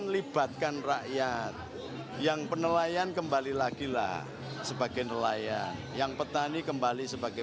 libatkan rakyat yang penelayan kembali lagilah sebagai nelayan yang petani kembali sebagai